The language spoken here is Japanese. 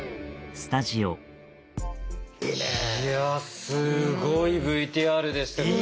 いやすごいＶＴＲでしたけど。